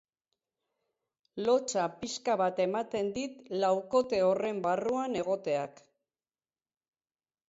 Lotsa pixka bat ematen dit laukote horren barruan egoteak.